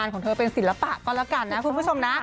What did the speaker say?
ไม่ฟ้อง